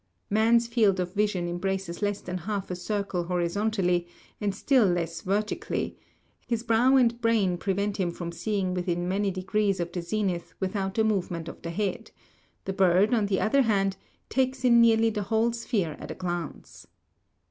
Man's field of vision embraces less than half a circle horizontally, and still less vertically; his brow and brain prevent him from seeing within many degrees of the zenith without a movement of the head; the bird, on the other hand, takes in nearly the whole sphere at a glance.